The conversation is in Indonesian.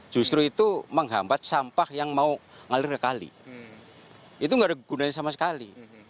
justru itu menghambat sampah yang mau ngalir ke kali itu nggak ada gunanya sama sekali